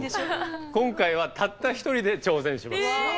今回はたった一人で挑戦します。